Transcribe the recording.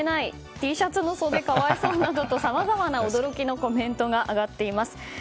Ｔシャツの袖、可哀想などとさまざまな驚きの声が上がっています。